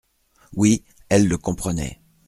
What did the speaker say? Oui, elle le comprenait.